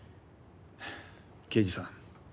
刑事さん。